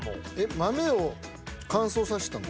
豆を乾燥さしたもの？